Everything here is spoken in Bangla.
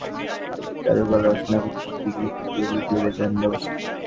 একটি বেসরকারি বিশ্ববিদ্যালয় থেকে চারুকলায় স্নাতকোত্তর ডিগ্রি নিয়ে পুরোপুরি জড়িয়ে যান ব্যবসায়।